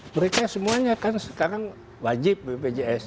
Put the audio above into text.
mereka semuanya kan sekarang wajib bpjs